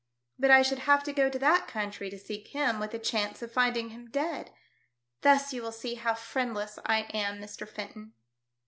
But I should have to go to that country to seek him with the chance of find ing him dead. Thus you will see how friendless I am, Mr. Fenton."